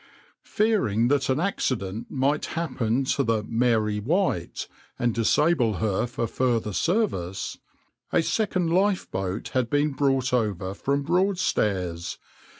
\par Fearing that an accident might happen to the {\itshape{Mary White}} and disable her for further service, a second lifeboat had been brought over from Broadstairs.